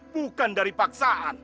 bukan dari paksaan